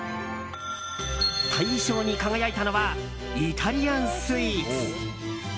大賞に輝いたのはイタリアンスイーツ。